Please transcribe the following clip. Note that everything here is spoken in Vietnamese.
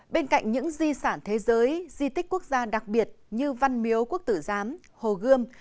bên cạnh những di sản thế giới di tích quốc gia đặc biệt như văn miếu quốc tử giám hồ gươm